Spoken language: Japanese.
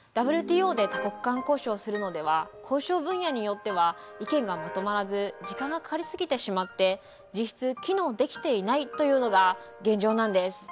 ＷＴＯで多国間交渉するのでは交渉分野によっては意見がまとまらず時間がかかりすぎてしまって実質機能できていないというのが現状なんです。